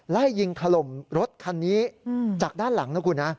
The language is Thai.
ไล่ยิงถล่มรถคันนี้จากด้านหลัง